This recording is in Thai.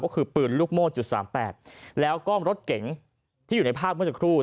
ก็คือปืนลูกโม่จุดสามแปดแล้วก็รถเก๋งที่อยู่ในภาพเมื่อสักครู่